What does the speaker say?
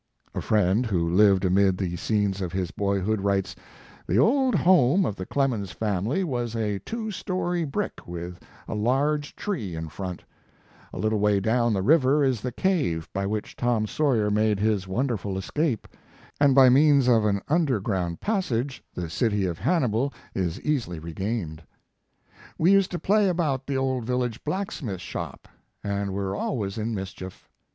A friend who lived amid the scenes of his boyhood, writes: "The old home of the Clemens family was a two story brick, with a large tree in front. A little way down the river is the cave by which 4 Tom Sawyer made his wonderful escape, and by means of an underground passage the city of Hannibal is easily regained. 2O Mark Twain We used to play about the old village blacksmith shop, and were always in mischief.